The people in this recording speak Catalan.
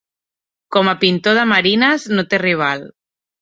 Com a pintor de marines no té rival.